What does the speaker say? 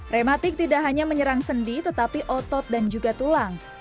rematik tidak hanya menyerang sendi tetapi otot dan juga tulang